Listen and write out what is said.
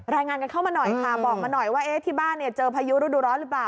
รายงานกันเข้ามาหน่อยค่ะบอกมาหน่อยว่าที่บ้านเนี่ยเจอพายุฤดูร้อนหรือเปล่า